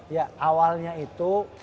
ya awalnya itu